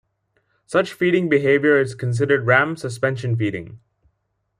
Such feeding behavior is considered ram suspension-feeding.